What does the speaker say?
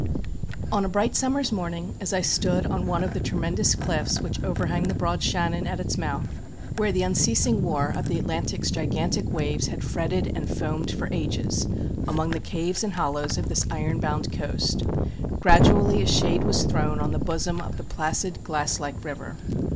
On a bright summer's morning, as I stood on one of the tremendous cliffs which overhang the broad Shannon at its mouthŌĆö where the unceasing war of the Atlantic's gijjantic waves had fretted arid foamed for ages, among the caves and hollows of this iron bound coast ŌĆö gradually a shade was thrown on the bosom of the placid glass like river.